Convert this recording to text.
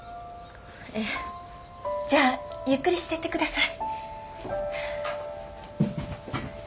じゃあゆっくりしてって下さい。